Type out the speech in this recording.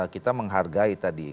kita menghargai tadi